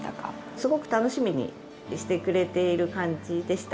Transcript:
すごく楽しみにしてくれている感じでした。